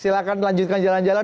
silahkan lanjutkan jalan jalan